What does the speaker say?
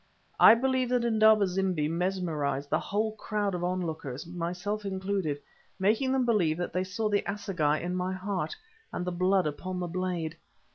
I believe that Indaba zimbi mesmerized the whole crowd of onlookers, myself included, making them believe that they saw the assegai in my heart, and the blood upon the blade.